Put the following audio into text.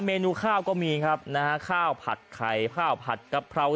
เมนูข้าวก็มีครับนะฮะข้าวผัดไข่ข้าวผัดกะเพรา